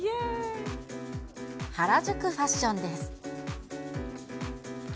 原宿ファッションです。